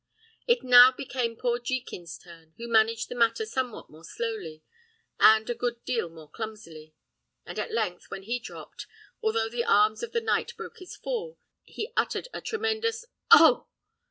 It now became poor Jekin's turn, who managed the matter somewhat more slowly, and a good deal more clumsily; and at length, when he dropped, although the arms of the knight broke his fall, he uttered a tremendous "Oh!"